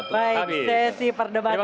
baik sesi perdebatan habis